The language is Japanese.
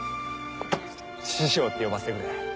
師匠って呼ばせてくれ。